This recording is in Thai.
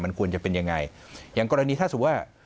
มันควรจะเป็นยังไงอย่างกรณีถ้าสมมุติว่า